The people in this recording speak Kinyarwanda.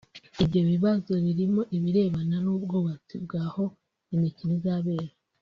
Ibyo bibazo birimo ibirebana n'ubwubatsi bw'aho imikino izabera